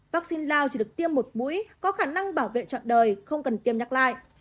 vaccine lao chỉ được tiêm một mũi có khả năng bảo vệ trọn đời không cần tiêm nhắc lại